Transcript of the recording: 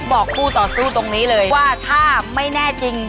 บอกคู่ต่อสู้ตรงนี้เลยว่าถ้าไม่แน่จริง